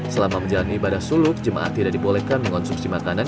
selama menjalani ibadah suluk jemaah tidak dibolehkan mengonsumsi makanan